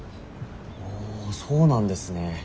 あそうなんですね。